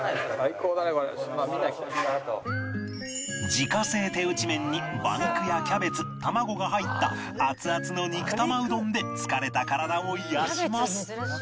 自家製手打ち麺に馬肉やキャベツ卵が入ったアツアツの肉玉うどんで疲れた体を癒やします